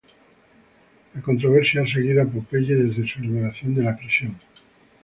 La controversia ha seguido a "Popeye" desde su liberación de la prisión.